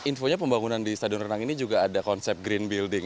infonya pembangunan di stadion renang ini juga ada konsep green building